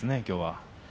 きょうは。